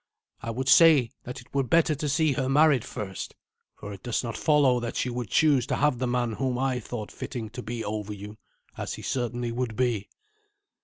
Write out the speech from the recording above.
I would say that it were better to see her married first, for it does not follow that you would choose to have the man whom I thought fitting to be over you, as he certainly would be."